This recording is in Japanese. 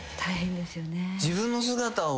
自分の姿を。